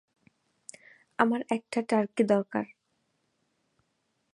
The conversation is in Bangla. আমার একটা টার্কি দরকার।